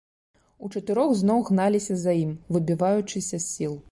Учатырох зноў гналіся за ім, выбіваючыся з сіл.